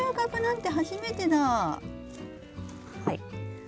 はい。